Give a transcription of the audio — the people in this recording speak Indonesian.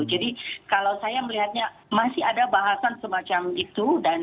jadi kalau saya melihatnya masih ada bahasan semacam itu